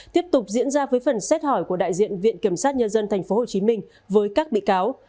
tiếp tục diễn ra với phần xét hỏi của đại diện viện kiểm sát nhân dân tp hcm với các bị cáo